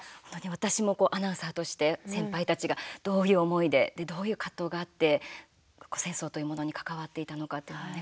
私もアナウンサーとして先輩たちがどういう思いでどういう葛藤があって戦争というものに関わっていたのかというのをね